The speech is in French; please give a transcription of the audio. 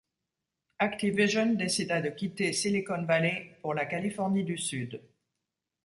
Activision décida de quitter Silicon Valley pour la Californie du Sud.